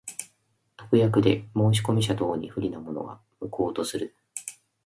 特約で申込者等に不利なものは、無効とする。